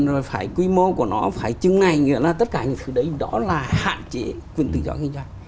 rồi phải quy mô của nó phải chương ngành tất cả những thứ đấy đó là hạn chế quyền tự do kinh doanh